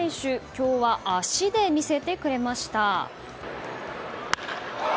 今日は足で見せてくれました。